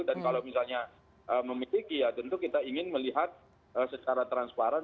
dan kalau misalnya memiliki ya tentu kita ingin melihat secara transparan